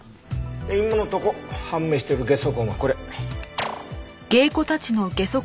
今のとこ判明してるゲソ痕はこれ。